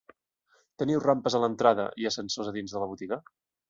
Teniu rampes a l'entrada, i ascensors a dins de la botiga?